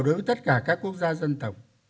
đối với tất cả các quốc gia dân tộc